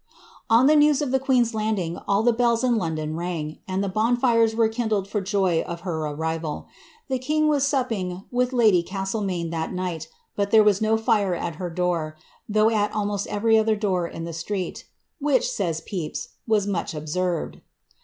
'' On the news of the queen's landing all the bells in London imng, and bonOres were kindled for joy of her arrival. The king was rapping with lady Caatlemaine that night, but there was no fire at her door, though at almost every other door in the street, ^ which," says Ftfja^ ^ was much observed."